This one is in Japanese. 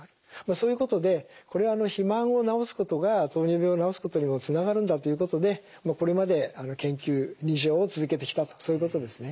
そういうことでこれは肥満を治すことが糖尿病を治すことにもつながるんだということでこれまで研究臨床を続けてきたとそういうことですね。